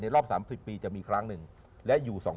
ในรอบ๓๐ปีจะมีครั้งนึง